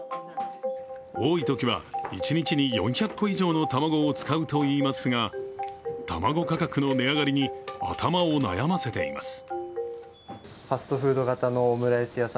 多いときは一日に４００個以上の卵を使うといいますが卵価格の値上がりに頭を悩ませています。